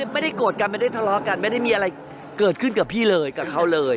ไม่ได้โกรธกันไม่ได้ทะเลาะกันไม่ได้มีอะไรเกิดขึ้นกับพี่เลยกับเขาเลย